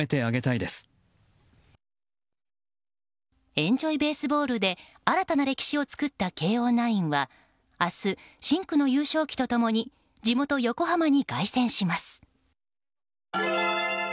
エンジョイ・ベースボールで新たな歴史を作った慶應ナインは明日、深紅の優勝旗と共に地元・横浜に凱旋します。